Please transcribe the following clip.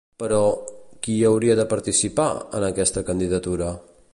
Però, qui hi hauria de participar, en aquesta candidatura?